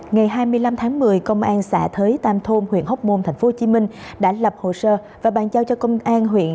ngày hai mươi năm tháng một mươi công an xã thới tam thôn huyện hóc môn tp hcm đã lập hồ sơ và bàn giao cho công an huyện